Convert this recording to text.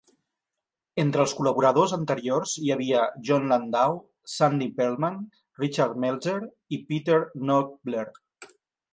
Entre els col·laboradors anteriors hi havia Jon Landau, Sandy Pearlman, Richard Meltzer i Peter Knobler.